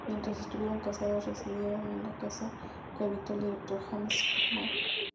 Mientras estuvieron casados residieron en la casa que habitó el director James Whale.